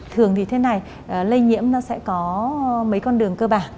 thường thì thế này lây nhiễm nó sẽ có mấy con đường cơ bản